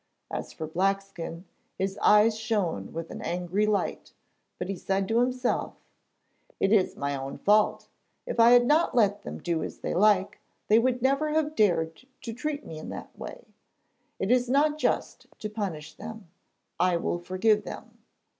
As for Blackskin, his eyes shone with an angry light; but he said to himself: 'It is my own fault. If I had not let them do as they like, they would never have dared to treat me in that way. It is not just to punish them: I will forgive them.'